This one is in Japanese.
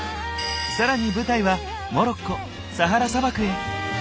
更に舞台はモロッコサハラ砂漠へ。